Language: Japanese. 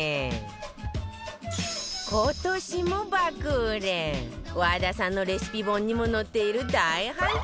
今年も爆売れ和田さんのレシピ本にも載っている大反響